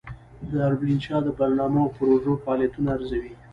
دارالانشا د برنامو او پروژو فعالیتونه ارزوي.